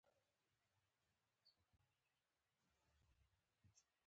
په ګنګه ژبه یې د سر په اشاره اورلګیت وغوښت.